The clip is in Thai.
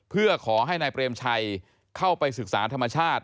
เพื่อขอให้นายเปรมชัยเข้าไปศึกษาธรรมชาติ